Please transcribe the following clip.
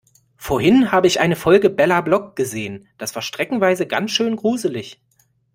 Vorhin habe ich eine Folge Bella Block gesehen, das war streckenweise ganz schön gruselig.